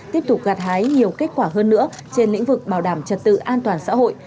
tiếp tục gạt hái nhiều kết quả hơn nữa trên lĩnh vực bảo đảm trật tự an toàn xã hội